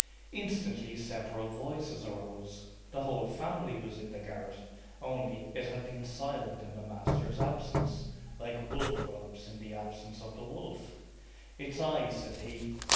Instantly, several voices arose. The whole family was in the garret. Only, it had been silent in the master's absence, like wolf whelps in the absence of the wolf. "It's I," said he.